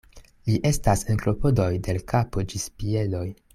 Li estas en klopodoj de l' kapo ĝis piedoj.